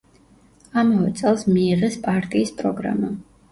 ამავე წელს მიიღეს პარტიის პროგრამა.